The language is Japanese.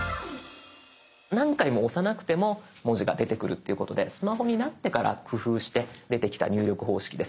何回も押さなくても文字が出てくるっていうことでスマホになってから工夫して出てきた入力方式です。